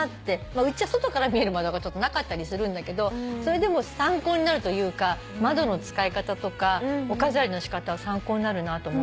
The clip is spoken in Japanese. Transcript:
まあうちは外から見える窓がなかったりするんだけどそれでも参考になるというか窓の使い方とかお飾りの仕方は参考になるなと思って。